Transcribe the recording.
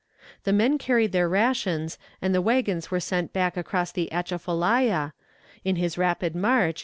The men carried their rations, and the wagons were sent back across the Atchafalaya. In his rapid march.